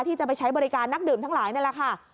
ที่จะไปใช้บริการนักดื่มทั้งหลายนี่แหละค่ะ